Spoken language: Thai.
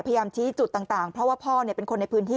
พยายามชี้จุดต่างเพราะว่าพ่อเนี่ยเป็นคนในพื้นที่